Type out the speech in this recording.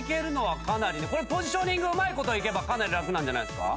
これポジショニングうまいこといけばかなり楽なんじゃないですか。